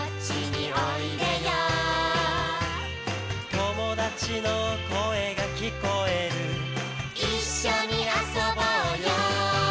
「友達の声が聞こえる」「一緒に遊ぼうよ」